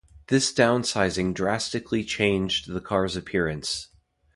This downsizing drastically changed the cars' appearance.